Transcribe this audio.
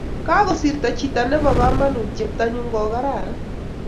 Kagosirto chito nebo kamanuut, cheptanyu kogararan